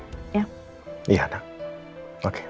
papa yang berpikir papa yang berpikir